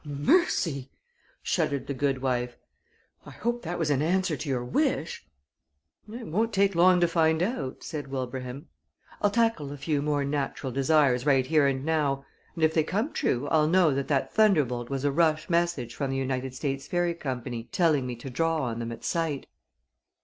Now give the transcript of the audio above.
"Mercy!" shuddered the good wife. "I hope that was an answer to your wish." "It won't take long to find out," said Wilbraham. "I'll tackle a few more natural desires right here and now, and if they come true I'll know that that thunderbolt was a rush message from the United States Fairy Company telling me to draw on them at sight."